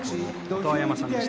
音羽山さんでした。